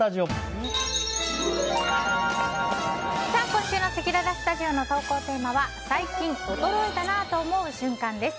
今週のせきららスタジオの投稿テーマは最近衰えたなぁと思う瞬間です。